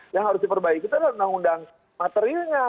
yang harus diperbaiki adalah undang undang materinya